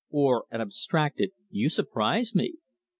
or an abstracted "You surprise me!"